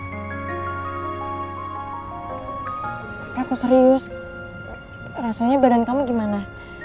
aku serius rasanya badan kamu gimana